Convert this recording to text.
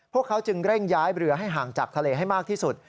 พวกเขาจึงเร่งย้ายเรือให้ห่างจากทะเลให้มากที่สุด